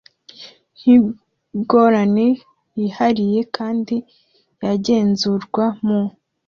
nkingorane yihariye kandi yagenzurwa mu